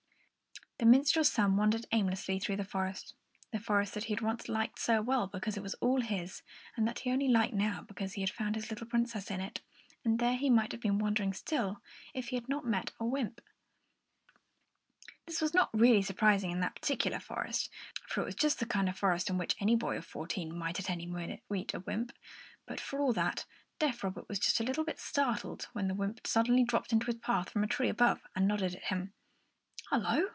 The minstrel's son wandered aimlessly through the forest, the forest that he had once liked so well because it was all his, and that he only liked now because he had found his little Princess in it; and there he might have been wandering still, if he had not suddenly met a wymp. This was not really surprising in that particular forest, for it was just the kind of forest in which any boy of fourteen might at any minute meet a wymp; but for all that, deaf Robert was just a little bit startled when the wymp suddenly dropped in his path from the tree above and nodded at him. "Hullo!"